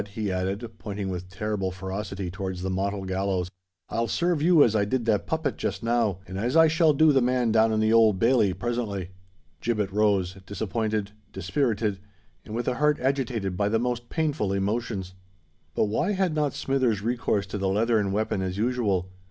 he added, pointing with terrible ferocity towards the model gallows, "I'll serve you as I did that puppet just now—and as I shall do the man down in the Old Bailey presently." Gibbet rose—disappointed, dispirited, and with a heart agitated by the most painful emotions. But why had not Smithers recourse to the leathern weapon as usual?